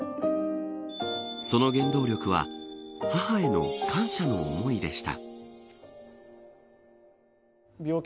その原動力は母への感謝の思いでした。